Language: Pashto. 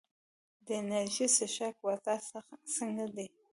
د انرژي څښاک بازار څنګه دی؟